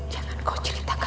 jangan ikutin aku